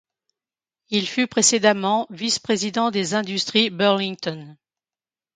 Il fut précédemment vice-prédisent des Industries Burlington.